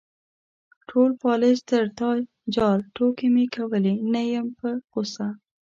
_ټول پالېز تر تا جار، ټوکې مې کولې، نه يم په غوسه.